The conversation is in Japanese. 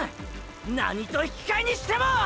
何と引きかえにしても！！